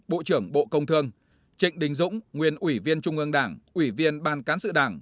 bộ trưởng bộ công thương trịnh đình dũng nguyên ủy viên trung ương đảng ủy viên ban cán sự đảng